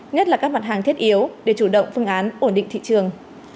nhất là các mặt hàng thiết yếu để chủ động phương án ổn định thị trường